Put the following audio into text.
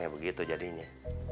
ya begitu jadinya